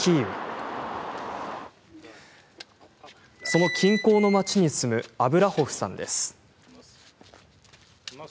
その近郊の町に住むアブラホフさんです。